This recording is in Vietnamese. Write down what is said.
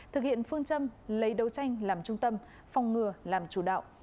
thực hiện phương châm lấy đấu tranh làm trung tâm phòng ngừa làm chủ đạo